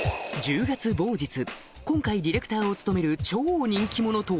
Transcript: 今回ディレクターを務める超人気者とは？